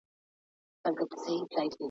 څېړنې د علم پرمختګ ته لاره هواروي.